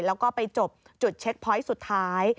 แล้วก็ไปจบจุดเช็คพอยต์สุดท้าย